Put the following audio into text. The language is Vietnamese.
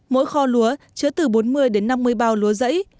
mỗi kho lúa chứa từ bốn mươi đến năm mươi bao lúa rẫy